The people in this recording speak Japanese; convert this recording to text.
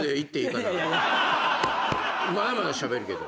まだまだしゃべるけど。